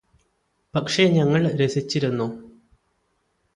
പക്ഷേ ഞങ്ങള് രസിച്ചിരുന്നു